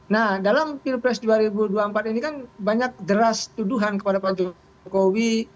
nah dalam pilpres dua ribu dua puluh empat ini kan banyak deras tuduhan kepada pak jokowi